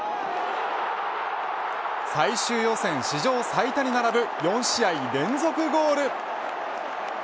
最終予選史上最多に並ぶ４試合連続ゴール。